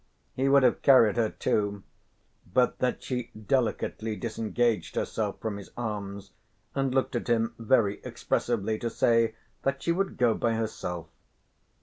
He would have carried her too, but that she delicately disengaged herself from his arms and looked at him very expressively to say that she would go by herself.